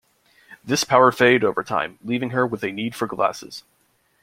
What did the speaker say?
This power faded over time, leaving her with a need for glasses.